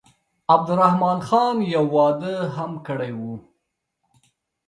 عبدالرحمن خان یو واده هم کړی وو.